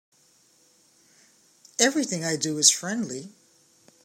Everything I do is friendly.